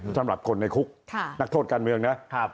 สำหรับคนในคุกนักโทษการเมืองนะ